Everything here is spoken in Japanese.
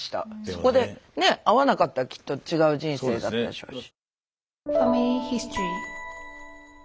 そこでね会わなかったらきっと違う人生だったでしょうし。